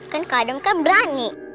kan kak adam kan berani